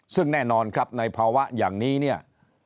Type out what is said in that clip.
ซึ่งแน่นอนครับในภาวะอย่างนี้เนี่ย